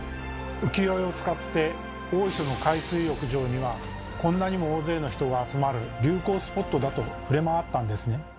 浮世絵を使って大磯の海水浴場にはこんなにも大勢の人が集まる流行スポットだと触れ回ったんですね。